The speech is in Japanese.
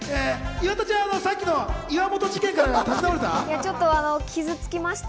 岩田ちゃん、さっきの岩本事件から立ち直れた？